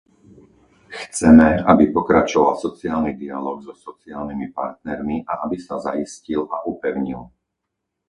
Chceme, aby pokračoval sociálny dialóg so sociálnymi partnermi a aby sa zaistil a upevnil.